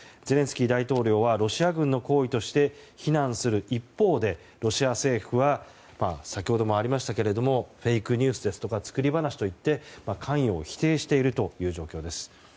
ゼレンスキー大統領はロシア軍の行為として非難する一方で、ロシア政府は先ほどもありましたがフェイクニュースですとか作り話と言って関与を否定しているという状況です。